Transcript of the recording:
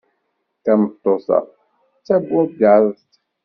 Tameṭṭut-a d tamugaḍt.